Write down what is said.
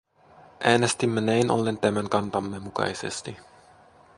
Äänestimme näin ollen tämän kantamme mukaisesti.